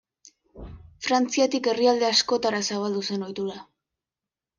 Frantziatik herrialde askotara zabaldu zen ohitura.